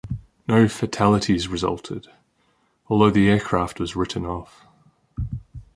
No fatalities resulted, although the aircraft was written off.